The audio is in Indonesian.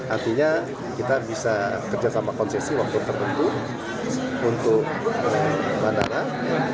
artinya kita bisa kerjasama konsesi waktu tertentu untuk bandara